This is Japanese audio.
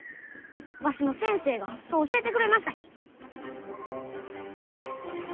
わしの先生がそう教えてくれましたき。